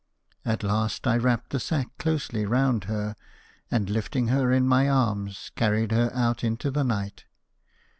At last I wrapped the sack closely round her, and lifting her in my arms, carried her out into the night.